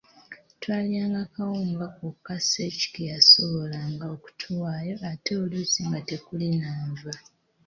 Twalyanga kawunga kokka Sseeki ke yasobolanga okutuwaayo ate oluusi nga tekuli na nva.